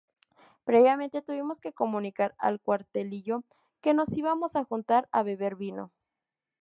previamente tuvimos que comunicar al “cuartelillo” que nos íbamos a juntar a beber vino